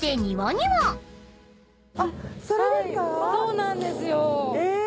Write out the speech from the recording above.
そうなんですよ。